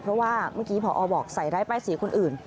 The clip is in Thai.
เพราะว่าเมื่อกี้พอบอกใส่ร้ายป้ายเสียคนอื่น